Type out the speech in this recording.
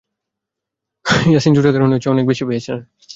আরেক ডিফেন্ডার ইয়াসিন চোটের কারণে প্রায় ছিটকেই পড়েছেন জর্ডান ম্যাচ থেকে।